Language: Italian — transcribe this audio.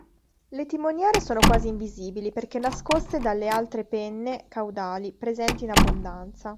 Le timoniere sono quasi invisibili perché nascoste dalle altre penne caudali, presenti in abbondanza.